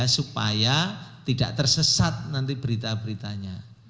supaya tidak tersesat nanti berita beritanya